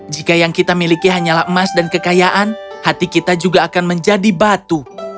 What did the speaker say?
jika yang kita miliki hanyalah emas dan kekayaan hati kita juga akan menjadi batu